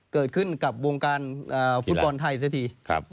เกิดขึ้นกับวงการฟุตบอลไทยเสียที